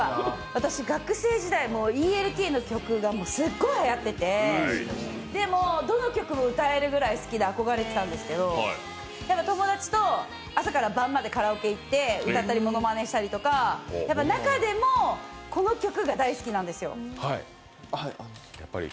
私、学生時代、ＥＬＴの曲がすっごいはやってて、どの曲も歌えるぐらい好きで憧れてたんですけど、やっぱり友達と朝から晩までカラオケ行って歌ったりものまねしたりとか、中でもこの曲が大好きなんですよ。